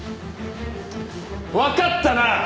わかったな？